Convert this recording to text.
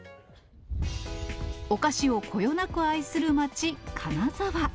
お菓子をこよなく愛する街、金沢。